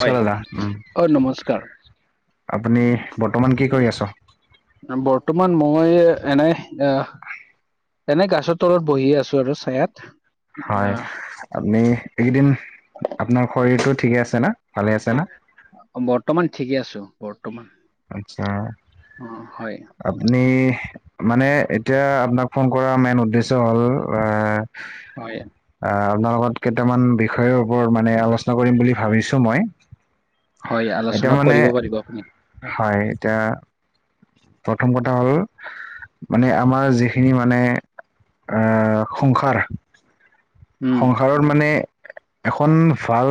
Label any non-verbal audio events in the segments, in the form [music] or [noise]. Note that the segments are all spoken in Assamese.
নমস্কাৰ হয় দাদা উম অ নমস্কাৰ। আপুনি বৰ্তমান কি কৰি আছ [inaudible] বৰ্তমান মই এনে এয়া এনে গাছৰ তলত বহি আছো আৰু ছাঁয়াত। হয় আপনি এইকেইদিন আপোনাৰ শৰীৰটো ঠিকে আছে না? ভালে আছে না? বৰ্তমান ঠিকে আছো বৰ্তমান। আচ্ছা অ হয় আপনি মানে এতিয়া আপোনাক ফোন কৰা মেইন উদ্দেশ্য হ'ল আহ হয়। অ আপোনাৰ লগত কেইটামান বিষয়ৰ ওপৰত মানে আলোচনা কৰিম বুলি ভাবিছো মই। হয় এতিয়া আলোচনা মানে কৰিব পাৰিব আপুনি। হয় এতিয়া প্ৰথম কথা হ'ল মানে আমাৰ যিখিনি মানে আহ সংসাৰ উম সংসাৰৰ মানে এখন ভাল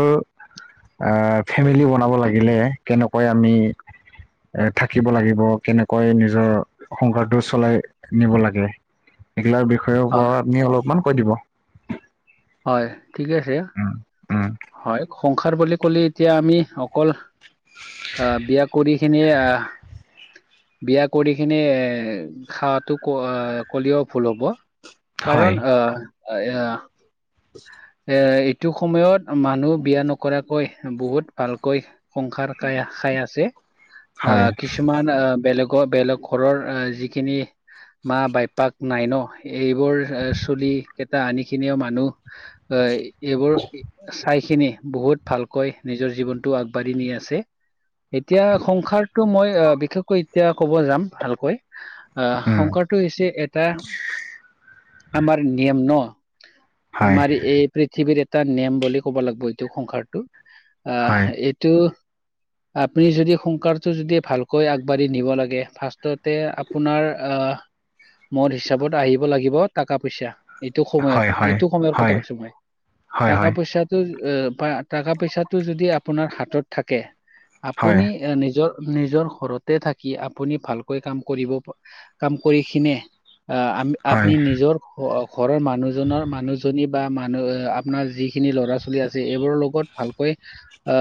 আ, ফেমিলি বনাব লাগিলে কেনেকৈ আমি এ থাকিব লাগিব কেনেকৈ নিজৰ সংসাৰটো চলাই নিব লাগে সিগিলাৰ বিষয়ৰ হয় ওপৰত আপুনি অলপমান কৈ দিব। হয় ঠিকে আছে উম, উম হয়, সংসাৰ বুলি কলে এতিয়া আমি অকল অ', বিয়া কৰি কিনি আহ বিয়া কৰি কিনে এ খাৱাতো ক কলেও ভুল হ'ব হয় কাৰণ আ, আহ [inaudible] এ এইটো সময়ত মানুহ বিয়া নকৰাকৈ বহুত ভালকৈ সংসাৰ খাই খাই আছে আ, হয় কিছুমান আ, বেলেগৰ বেলেগ ঘৰৰ যিখিনি মা বাইপাক নাই ন' এইবোৰ চলি কেইটা আনিখিনিও মানুহ হয়, এইবোৰ চাই খিনি বহুত ভালকৈ নিজৰ জীৱনটো আগবাঢ়ি নি আছে এতিয়া সংসাৰ টো মই অ', বিশেষকৈ এতিয়া ক'ব যাম ভালকৈ আ, উম সংসাৰটো হৈছে এটা আমাৰ নিয়ম ন' হয় আমাৰ এই পৃথিৱীৰ এটা নিয়ম বুলি ক'ব লাগব এইটো সংসাৰটো আ, হয় এই এইটো আপুনি যদি সংসাৰটো যদি ভালকৈ আগবাঢ়ি নিব লাগে ফাৰ্ষ ফাৰ্ষ্টতেই আপোনাৰ আহ মদ হিচাপত আহিব লাগিব টাকা পইচা এইটো সময়ত, হয় হয় এইটো সময়ৰ কথা হয় কৈছো মই হয় হয় টকা পইচাত এ টকা পইচাটো যদি আপোনাৰ হাতত থাকে হয় আপুনি নিজৰ নিজৰ ঘৰতে থাকি আপুনি ভালকৈ কাম কৰিব কাম কৰি কিনে আ, আম আপনি নিজৰ ঘৰৰ মানুহজনৰ মানুহ বা মানুহ আপোনাৰ যিখিনি ল'ৰা ছোৱালী আছে এইবোৰৰ লগত ভাল কৈ আ,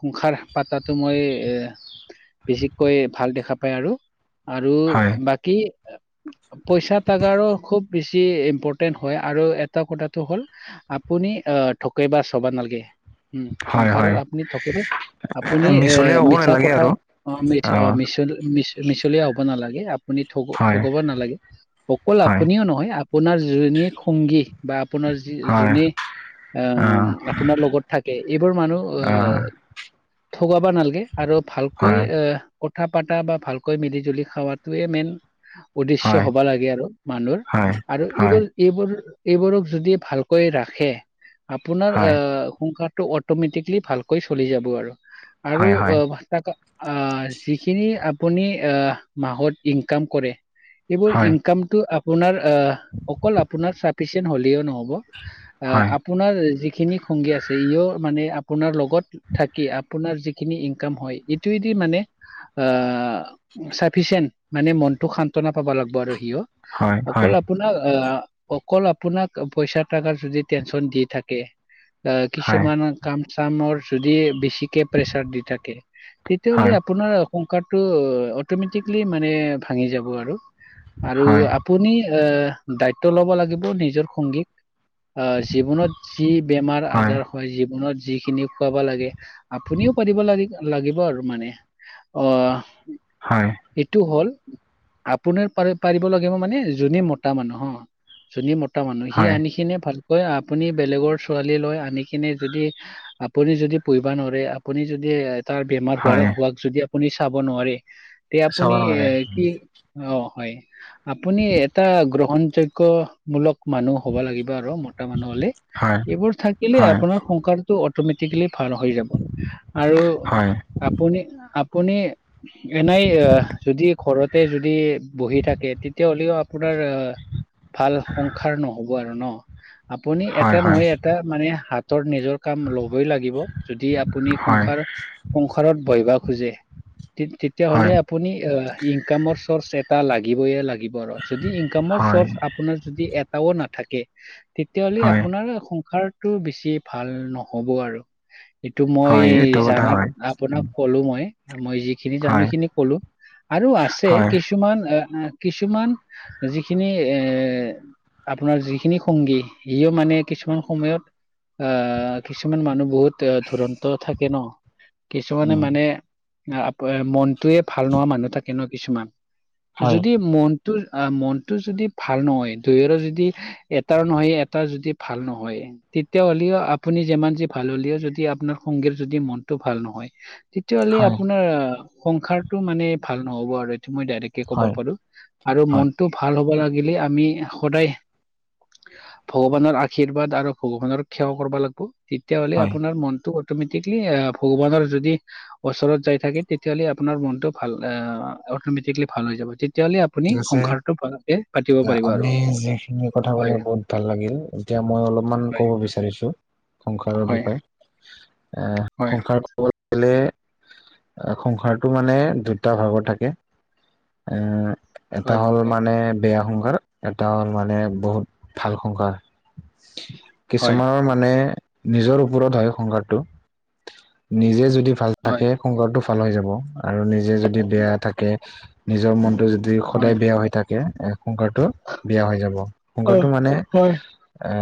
সংসাৰ পাতাতো মই এ বিশেষকৈ ভাল দেখা পায় আৰু আৰু হয় হয় বাকী পইচা টাকাৰো খুব বেছি ইম্পৰ্টেণ্ট হয় আৰু এটা কথাটো হ'ল আপুনি আ, ধকেবাজ হবা নালগে। উম, হয় খংখাৰত হয় আপুনি ধকেবাজ আপুনি এ মিছলীয়া হ'ব মিছা নালাগে পথাৰ আৰু অ', মিছ অ', মিছল মিছ মিছলীয়া হ'ব নালাগে আপুনি ঠগ হয় ঠগাব নালাগে অকল হয় আপুনিও নহয় আপোনাৰ যোনী সংগী বা আপোনাৰ যি হয় যোনে অ আ', আপোনাৰ লগত থাকে এইবোৰ মানুহ অ আ [inaudible] ঠগাব নালাগে আৰু ভালকৈ হয় কথা পতা বা ভালকৈ মিলি জুলি খোৱাটোৱে মেইন উদ্দেশ্য হয় হবা লাগে আৰু মানুহৰ হয় আৰু এইবোৰ এইবোৰ এইবোৰক যদি ভালকৈ ৰাখে আপোনাৰ হয় আ, সংসাৰটো অ অট'মেটিকলি ভালকৈ চলি যাব আৰু আৰু হয় বা আ, যিখিনি আপুনি মাহত আ, ইনকাম কৰে এইবোৰ হয় হয় ইনকামটো আপোনাৰ আহ অকল আপোনাৰ চাফিচিয়েণ্ট হ'লেও নহ'ব। অ', হয় আপোনাৰ যিখিনি সংগী আছে ইও মানে আপোনাৰ লগত কত থাকি আপোনাৰ যিখিনি ইনকাম হয় হেইটোৱেদি মানে। আহ চাফিচিয়েণ্ট মানে মনটো সান্তনা পাব লাগিব আৰু সিও হয় হয় অকল আপোনাক আহ অকল আপোনাক পইচা টাত যদি টেনচন দি থাকে অ হয় হয় হয় কিছুমান। কাম চামৰ যদি বেছিকে প্ৰেচাৰ দি থাকে। তেতিয়াহ'লে আপোনাৰ। কাম টো অতমেতিকেলী মানে ভাঙি যাব আৰু, আৰু হয় আপুনি, এ দায়িত্ব ল'ব লাগিব নিজৰ সংগীক অ জীৱনত যি বেমাৰ আজাৰ হয় জীৱনত যিখিনি খুৱাব লাগে আপুনিও পতিব লাগে লাগিব আৰু মানে অ। হয়। এইটো হ'ল আপোনাৰ পাৰ পাৰিব লাগিব মানে যদি মতা মানুহ হয়। যদি মতা মানুহ, সি হয়, আনি কিনে ভালকৈ আপুনি বেলেগৰ ছোৱালী লৈ আনি কিনে যদি আপুনি যদি পঢ়িবা নোৱাৰে আপুনি যদি এ তাৰ বেমাৰ হোৱাৰ হয় হোৱাক যদি আপুনি চাব নোৱাৰে তে চাব আপুনি এ নোৱাৰে কি অ হয় আপুনি এটা গ্ৰহণযোগ্য। মূলক মানুহ হ'ব লাগিব আৰু মতা মানুহ হলে হয় এইবোৰ থাকিলে হয় আপোনাৰ সংসাৰটো অটমেটিক। ভাল হৈ যাব আৰু হয় আপুনি আপুনি এনেই আহ যদি ঘৰতে যদি বহি থাকে তেতিয়া হ'লেও আপোনাৰ আহ ভাল সংসাৰ নহ'ব আৰু ন আপুনি হয় এটা হয় নহয় এটা মানে হাতৰ নিজৰ। কাম লবই লাগিব যদি আপুনি হয় সংসাৰ সংসাৰত বহিব খোজে। তেতিয়াহ'লে। হয় আপুনি ইনকামৰ চৰ্চ এটা লাগিবয়ে লাগিব আৰু যদি ইনকামৰ হয় চৰ্চ আপোনাৰ যদি এটাও নাথাকে তেতিয়াাহ'লে হয় আপোনাৰ সংসাৰ। টো বেছি ভাল নহ'ব আৰু এইটো মই হয় এইটো কথা জানাত হয় আপোনাক কলো মই মই যিখিনি জানো হয় সেইখিনি কলো আৰু আছে কি হয় কিছুমান এ কিছুমান যিখিনি এ আপোনাৰ যিখিনি সংগী সিও মানে কিছুমান সময়ত আহ কিছুমান মানুহ বহুত ধুৰন্ত থাকে ন কিছুমানে উম মানে। আ মনটোয়ে ভাল নোহোৱা মানুহ থাকে ন কিছুমান হয় যদি মন মনটো যদি ভাল নহয় দুইৰো যদি এটাৰ নহয় এটা যদি ভাল নহয়। তেতিয়া হ'লেও আপুনি যিমান যি ভাল হ'লেও যদি আপোনাৰ সংগীৰ যদি মনতটো ভাল নহয়। তেতিয়াাহ'লে হয় আপোনাৰ সংসাৰটো মানে ভাল নহ'ব আৰু মই। ক'ব হয় পাৰো আৰু হয় মনতটো ভাল হ'ব লাগিলে আমি সদায় ভগৱানৰ আশীৰ্বাদ আৰু ভগৱানৰ সেৱা কৰিব লাগিব। তেতিয়াাহলে হয় আপোনাৰ মনটো অটমেটিকলি ভগৱানৰ যদি ওচৰত যাই থাকে তেতিয়াহ'লে আপোনাৰ মনটো ভাল অমেটিকলি ভাল হৈ যাব তেতিয়াহলে। আপুনি ঠিক আছে সংসাৰটোে পাতিব পাৰিব আৰু এনেকুৱা কথা ক'লে হয় বহুত ভাল লাগিল এতিয়া মই অলপমান হয় ক'ব বিচাৰিছোঁ সংসাৰৰ হয় বিষয়ে। এ হয় সংসাৰ কব গলে সংসাৰটো মানে দুটা ভাগৰ থাকে। আহ। এটা হয় হ'ল মানে বেয়া সংসাৰ এটা হ'ল মানে বহুত ভাল সংসাৰ। হয় কিছুমানৰ মানে মানে নিজৰ ওপৰত হয় সংসাৰটো থিওনিজে যদি ভাল হয় থাকে সংসাৰটো ভাল হৈ যাব আৰু নিজে যদি বেয়া থাকে আহ আহ নিজৰ মনতটো যদি ক হয় সদায় বেয়া হৈ থাকে এ সংসাৰটো বেয়া হৈ যাব অহ, সংসাৰটো মানে ই ই হয় আ আ। এ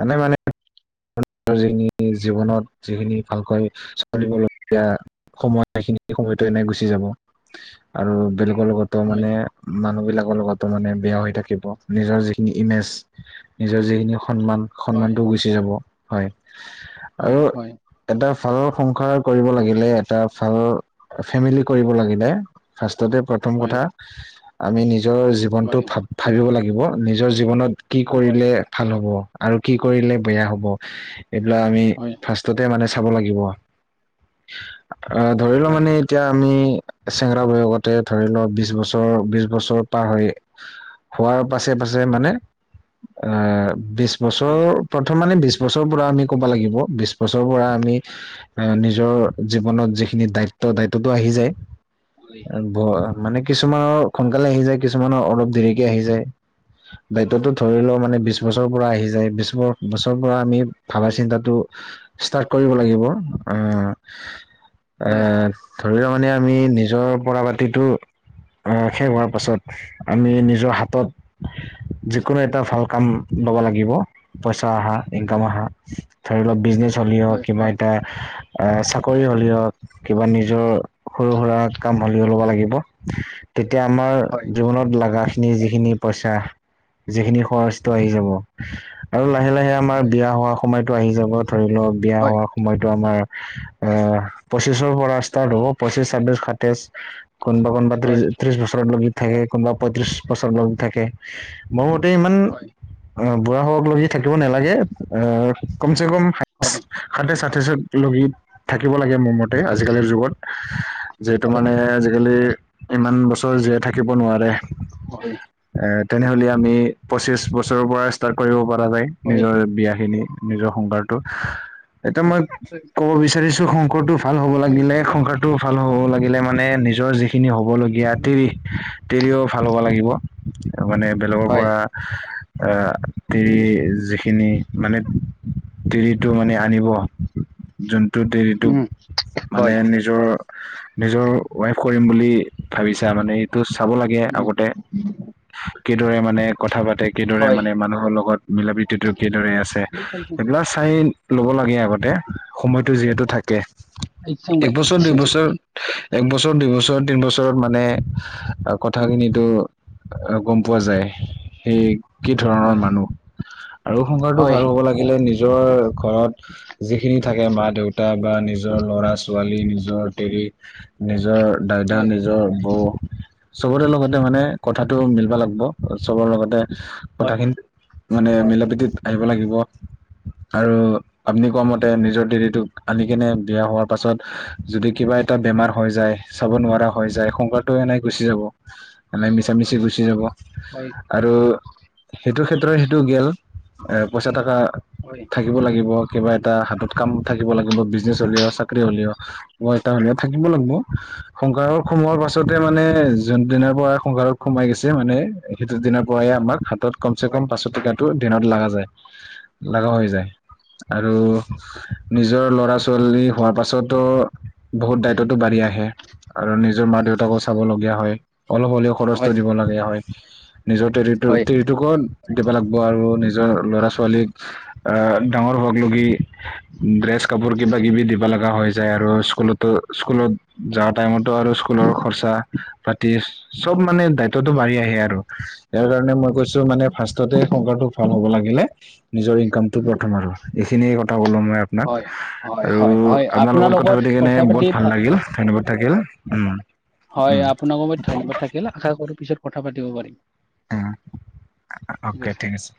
এ আ আএনে মানে ধৰ যিখিনি জীৱনত যিখিনি ভালকৈ ইহ্ চলিবলগীয়া। সময়খিনি সময়তো এনে গুচি যাব ইহ ইহ আৰু বেলেগৰ লগতো হয় মানে তাক উম উ মানুহ বিলাকৰ লগতো মানে বেয়া হৈ থাকিব নিজৰ যিখিনি ইমেজ ই আহ্ নিজৰ যিখিনি সন্মান হয় সন্মানটোও গুচি যাব হয় ই ই ই আহ হয় আৰু হয় হয় এটা ভাল ল সংসাৰ কৰিব লাগিলে এটা ফালৰ ফেমিলি কৰিব লাগি দে ফাষ্টতে কত টা ই ই আ আমি নিজৰ হয় হয় জীৱনটো ভাব ভাবিব লাগিব নিজৰ জীৱনত কি কৰিলে ভাল হ'ব আৰু কি কৰিলে বেয়া হ'ব এ এ এ হে এইবিলাক আমি হয় হয় হয় থাচ ততে মানে চাব লাগিব আ ইহ্ আ আ আহ ধৰিলও হয় হয় হয় মানে এতিয়া আমি চেংগৰা বয়সতে ধৰিলও বিশ বছৰ বিশ বছৰ পাৰ হৈ আহ্ আহ্। হা আ আ হোৱাৰ পাছে পাছে মানে আ আ ই এ বিশ বছৰ প্ৰথম মানে বিশ বছৰৰ পৰা আমি ক'ব লাগিব বিশ বছৰ পৰা আমি ই আহ্ আহ্ আহ এ নিজৰ জীৱনত যিখিনি দায়িত্ব দায়িত্বটো আহি যায়। হয় আৰু ব আৰ মানে কিছুমানৰ সোনকালে আহি যায় কিছুমানৰ অলপ দেৰিকে আহি যায় দায়িত্বটো ধৰিলোৱা মানে মানে হয় হয় হয় হয় বিশ বছৰৰ পৰা আহি যায় বিশ ব বছৰৰ পৰা আমি ভাবা হয় চিন্তাটো আ আ ষ্টাৰ্ট কৰিব লাগিব আ আ আ ই আহ্ এ এ হয় এ। ধৰিলোৱা মানে আমি নিজৰ পৰা পাটিটো শেষেই হোৱাৰ পাছত। আমি নিজৰ হাতত যিকোনো এটা ভাল কাম লব লাগিব। পইচা আহা ইনকাম আহা ধৰিলক বিজনেছ হলিও কিবা এটা আহ্। আহ আহ আহ এ এ চাকৰি হলে হক কিবা নিজৰ সৰু-সুৰা কাম হলিও লব লাগিব। তেতিয়া আমাৰ জীৱনত লাগা ইখিনি যিখিনি পইচা যিখিনি খৰচটো আহি যাব ইহ্ আ আ আৰু লাহে লাহে আমাৰ বিয়া হোৱা সময়তো আহি যাব ধৰিলওক বিয়া হ সময়টো আমাৰ ইহ্ আ আ আ পঁচিশৰ পৰা ষ্টাৰ্ট হ'ব পঁচিশ ছাব্বিশ সাতাইছ। কোনোবা কোনোবা ত্ৰিশ হয় ত্ৰিশ বছৰ লগি থাকে কোনোবা পঁয়ত্ৰিশ বছৰ লগি থাকে। ইহ্ ইহ্ ইহ্ মোৰ মতে ইমান অ বুঢ়া হক লগি থাকিব নালাগে আহ আ আ কম চে কম হয়গে। হাতে চাথে লগি থাকিব লাগে মোৰ মতে হয় আজিকালিৰ যুগত আহ্ আহ্ আহ্। যিহেতু হয়, মানুহে আজিকালি ইমান বছৰ জীয়াই থাকিব নোৱাৰে ই আহ্। হয়, এ তেনেহলে আমি পঁচিশ বছৰৰ পৰা ষ্টাৰ্ট কৰিব পৰা যায় হয়। নিজৰ বিয়াখিনি। নিজৰ সংসাৰটো আহ্ আহ্ এতিয়া মই ক'ব বিচাৰিছো সংসাৰটো ভাল হ'ব লাগিলে সংসাৰটো ভাল হ'ব লাগিলে মানে নিজৰ যি যিখিনি হ'বলগীয়া দেৰি ইহ্ আ দেৰিও ভাল হ'ব লাগিব মানে বেলেগৰ হয়, পৰা। আহ্ আহ্ আ আ দেৰি যিখিনি মানে দেৰিটো মানে আনিব। যোনটো দেৰিটো উম, মানে হয়, নিজৰ আহ্ আহ্ নিজৰ ৱাইফৰ বুলি ভাবিছা মানে এইটো চাব লাগে উম, আগতে। আহ্ আহ্ কিদৰে মানে কথা পাতে। কিেইদৰে হয়। মানে মানুহৰ লগত মিলা প্ৰতিতো কিেইদৰে আছে এইবিলাক চাই ল'ব লাগে আগতে সময়তটো যিহেতু থাকে এক বছৰ দুই বছৰ একবছৰ দুই বছৰ বছ তিন বছৰত মানে কথাখিনো আহ গম পোৱা যায় সেই কি ধৰণৰ মানুহ আৰু সংসাৰটো ভাল হব লাগিলে নিজৰ ঘৰত যিখিনি থাকে মা দেউতা বা নিজৰ ল'ৰা ছোৱালী নিজৰ দেৰি নিজৰ দাইদা নিজৰ বৌ চবৰে লগতে মানে কথাটো মিলব লাগিব চবৰ লগতে কথাখিনি মানে মিলা প্ৰীতিত আহিব লাগিব আৰু আপ্নি কোৱা মতে নিজৰ দেৰিটোক আনি কেনে বিয়া হোৱাৰ পাছত যদি কিবা এটা বেমাৰ হৈ যায় চাব নোৱাৰা হয় যায় এ সংকাৰটো এনেই গুচি যাব এনোই মিছা মিছি গুচি যাব হয় আৰু সেইটো ক্ষেত্ৰত সেইটো গেল এ পইচা থকা হয় থাকিব লাগিব কিবা এটা হাতত কাম থাকিব লাগিব বিজনেছ হ'লেও চাকৰি হলেও মই এটাাহুন থাকিব লাগিব সংসাৰত সোমোৱাৰ পাছতে মানে যোন দিনাৰ পৰা সংসাৰত সোমাই গৈছে মানে সেইটো দিনৰ পৰাে আমাক হাতত কমচে কম হয় পাঁচ টকাটো দিনত লগা যায় লগা হৈ যায় আৰু নিজৰ লৰা ছোৱালী হোৱাৰ পাছতো বহুত দায়িত্বতো বাঢ়ি আহে ে আৰু নিজৰ মা দেউতাকো চাব লগীয়া হয় অলপ হ'লেও খৰচটো দিব লগীয়া হয় নিজতে হয় উ যোগত দিব লাগিব আৰু নিজৰ ল'ৰা ছোৱালীক ডাঙৰ হ লগি ড্ৰেছ কাপোৰ কিবা কিবি দিব লগা হৈ যায় আৰু স্কুলতো স্কুলত যা টাইমতো আৰু স্কুলৰ খৰচা পাতি চব মানে দায়িত টো বাঢ়ি আহে আৰু ইাৰ কাৰণে মই কৈছো মানে ফাৰ্ষ্টতে সংসাৰটো ভাল হ'ব লাগিলে নিজৰ ইনকামটো প্ৰথম আৰু এইখিনিয়ে কথা ক'লো মই আপাক হয় আৰু হয় হয় আপোনাৰ লগত কথা পাতি কেনে বহুত পাতি ভাল ভা- লাগিল গণপ থাকিল উম উম গমত ধ নবা থাকিল আশা কৰো পিছত কথা পাতি পাৰিম অ অ'কে ঠিক আছে